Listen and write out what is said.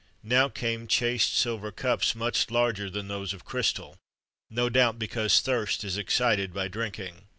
[XXXV 50] Now came chased silver cups, much larger than those of crystal[XXXV 51] no doubt because thirst is excited by drinking.